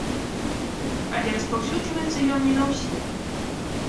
Але распаўсюджваецца ён не на ўсіх.